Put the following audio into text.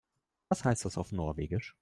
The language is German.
Was heißt das auf Norwegisch?